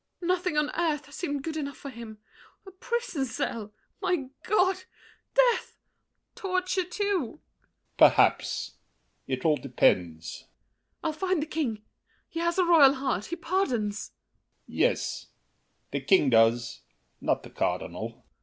] Nothing on earth seemed good enough for him! A prison cell—my God! Death! Torture too! L'ANGELY. Perhaps! It all depends— MARION. I'll find the King! He has a royal heart; he pardons. L'ANGELY. Yes, The King does, not the Cardinal.